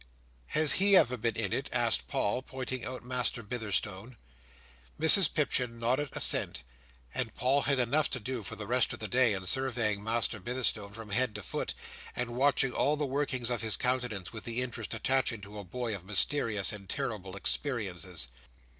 "Has he ever been in it?" asked Paul: pointing out Master Bitherstone. Mrs Pipchin nodded assent; and Paul had enough to do, for the rest of that day, in surveying Master Bitherstone from head to foot, and watching all the workings of his countenance, with the interest attaching to a boy of mysterious and terrible experiences.